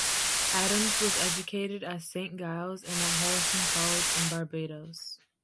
Adams was educated at Saint Giles and at Harrison College in Barbados.